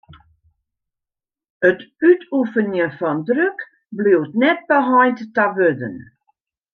It útoefenjen fan druk bliuwt net beheind ta wurden.